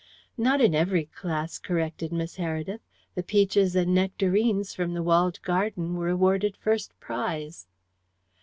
"Not in every class," corrected Miss Heredith. "The peaches and nectarines from the walled garden were awarded first prize."